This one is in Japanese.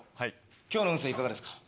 今日の運勢いかがですか？